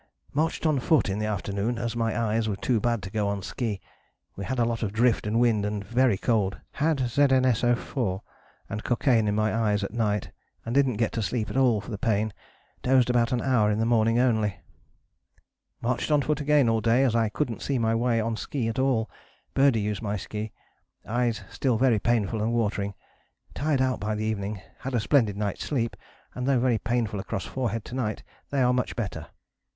"Marched on foot in the afternoon as my eyes were too bad to go on ski. We had a lot of drift and wind and very cold. Had ZuSO_4 and cocaine in my eyes at night and didn't get to sleep at all for the pain dozed about an hour in the morning only." ... "Marched on foot again all day as I couldn't see my way on ski at all, Birdie used my ski. Eyes still very painful and watering. Tired out by the evening, had a splendid night's sleep, and though very painful across forehead to night they are much better."